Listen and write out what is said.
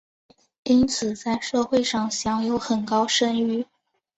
因此在社会上享有很高声誉。